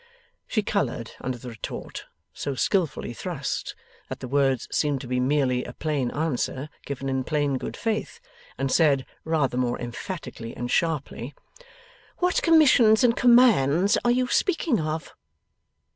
She coloured under the retort so skilfully thrust, that the words seemed to be merely a plain answer, given in plain good faith and said, rather more emphatically and sharply: 'What commissions and commands are you speaking of?